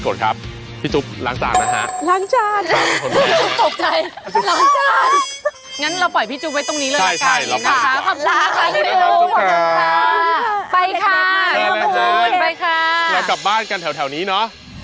กลับไปกับบ้านกันแถวนี้นะ